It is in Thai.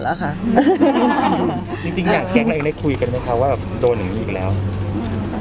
จริงแคคเรายังได้คุยกันไหมคะบางครั้ง